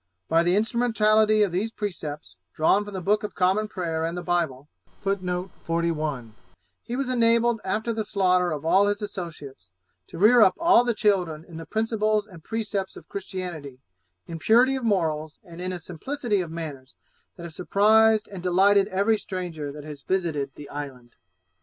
By the instrumentality of these precepts, drawn from the Book of Common Prayer and the Bible, he was enabled, after the slaughter of all his associates, to rear up all the children in the principles and precepts of Christianity, in purity of morals, and in a simplicity of manners, that have surprised and delighted every stranger that has visited the island.